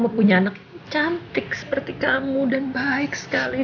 mama punya anak cantik seperti kamu dan baik sekali